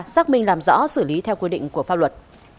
xác minh làm rõ xử lý theo quy định của pháp luật